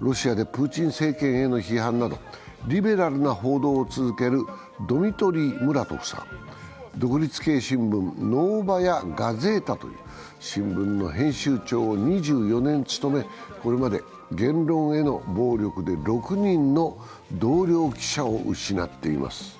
ロシアでプーチン政権への批判などリベラルな報道を続けるドミトリー・ムラトフさん、独立系新聞「ノーバヤ・ガゼータ」という新聞の編集長を２４年務めこれまで言論への暴力で６人の同僚記者を失っています。